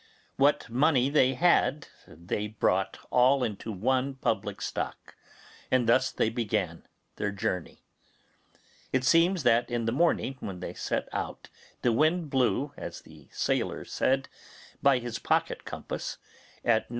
What money they had they brought all into one public stock, and thus they began their journey. It seems that in the morning when they set out the wind blew, as the sailor said, by his pocket compass, at N.W.